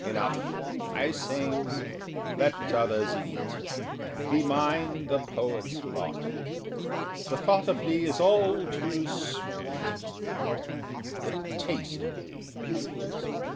Enough! I sing; let others eat: Be mine the poet's lot. The thought of thee is all too sweet The taste of thee is not.